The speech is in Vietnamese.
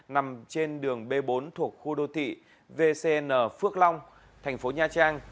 nằm trên đường b bốn thuộc khu đô thị vcn phước long tp nha trang